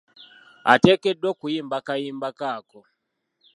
Ateekeddwa okuyimba kayimba ke ako.